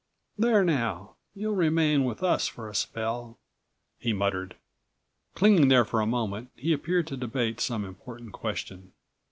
"There, now, you'll remain with us for a spell," he muttered. Clinging there for a moment, he appeared to debate some important question.